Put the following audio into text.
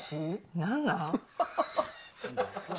何なん？